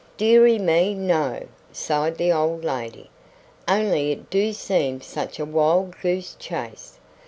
"Dearie me, no," sighed the old lady; "only it do seem such a wild goose chase.